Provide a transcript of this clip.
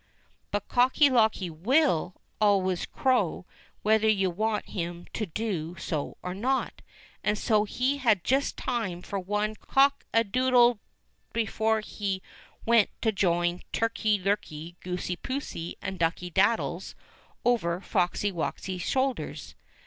But Cocky locky will always crow whether you want him to do so or not, and so he had just time for one Cock a doo dle d " before he went to join Turkey lurkey, Goosey poosey, and Ducky daddies over Foxy woxy's shoulders.